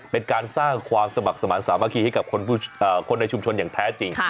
เป็นการสร้างความสมัครสมาธิสามัคคีให้กับคนในชุมชนอย่างแท้จริง